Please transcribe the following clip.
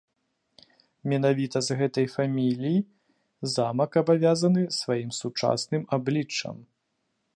Менавіта з гэтай фамілій замак абавязаны сваім сучасным абліччам.